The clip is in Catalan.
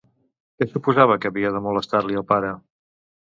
Què suposava que havia de molestar-li al pare?